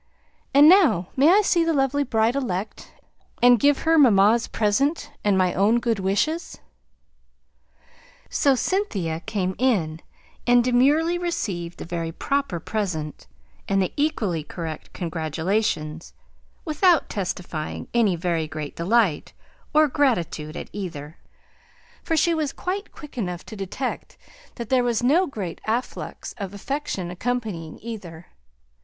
And now may I see the lovely bride elect, and give her mamma's present, and my own good wishes?" So Cynthia came in, and demurely received the very proper present, and the equally correct congratulations, without testifying any very great delight or gratitude at either; for she was quite quick enough to detect there was no great afflux of affection accompanying either.